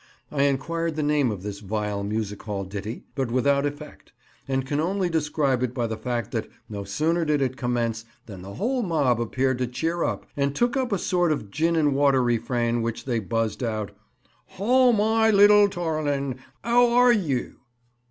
I enquired the name of this vile music hall ditty, but without effect; and can only describe it by the fact that no sooner did it commence than the whole mob appeared to cheer up, and took up a sort of gin and water refrain which they buzzed out—"Ho moy littul tarling, 'ow are yew?"